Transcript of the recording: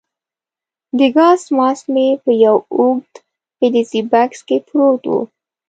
د ګاز ماسک مې په یو اوږد فلزي بکس کې پروت وو.